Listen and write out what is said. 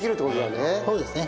そうですね。